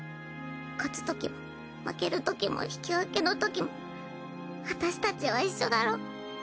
勝つときも負けるときも引き分けのときも私たちは一緒だろ。